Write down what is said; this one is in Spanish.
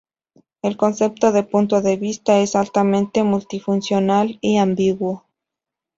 El concepto de "punto de vista" es altamente multifuncional y ambiguo.